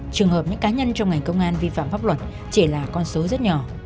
trường hợp những cá nhân trong ngành công an vi phạm pháp luật chỉ là con số rất nhỏ